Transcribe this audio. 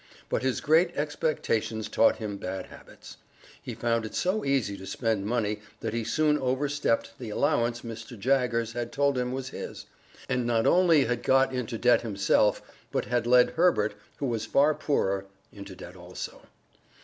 But his Great Expectations taught him bad habits. He found it so easy to spend money that he soon overstepped the allowance Mr. Jaggers had told him was his, and not only had got into debt himself, but had led Herbert, who was far poorer, into debt also.